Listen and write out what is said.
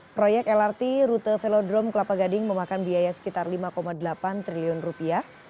proyek lrt rute velodrome kelapa gading memakan biaya sekitar lima delapan triliun rupiah